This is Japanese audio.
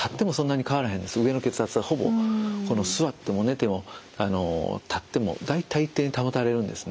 上の血圧はほぼ座っても寝ても立っても大体一定に保たれるんですね。